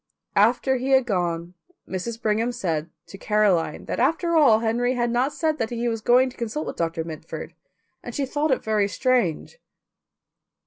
After he had gone Mrs. Brigham said to Caroline that after all Henry had not said that he was going to consult with Doctor Mitford, and she thought it very strange.